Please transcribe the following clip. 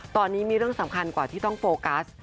ตอนนี้มีเรื่องสำคัญกว่าที่ต้องโฟกัส